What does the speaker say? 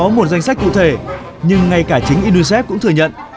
tuy đã có một danh sách cụ thể nhưng ngay cả chính inusef cũng thừa nhận